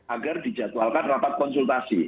agar dijadwalkan rapat konsultasi